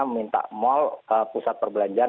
minta mall pusat perbelanjaan